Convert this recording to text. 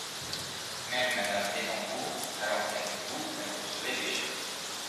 Même Madame Bettencourt, alors qu’avec vous, elle recevait des chèques